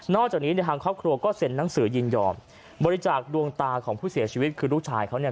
จากนี้เนี่ยทางครอบครัวก็เซ็นหนังสือยินยอมบริจาคดวงตาของผู้เสียชีวิตคือลูกชายเขาเนี่ย